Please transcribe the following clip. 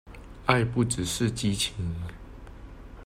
愛不只是激情